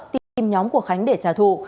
tìm nhóm của khánh để trả thù